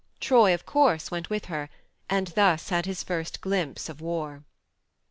Troy of course went with her, and thus had his first glimpse of war.